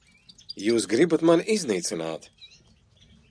Jūs gribat mani iznīcināt.